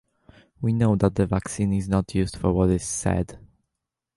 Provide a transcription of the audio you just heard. We know that the vaccine is not used for what is said.